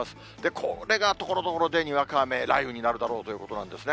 これがところどころでにわか雨、雷雨になるだろうということなんですね。